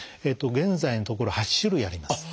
現在のところ８種類あります。